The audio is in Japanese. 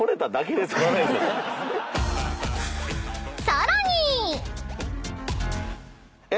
［さらに］